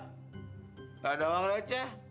gak ada uang receh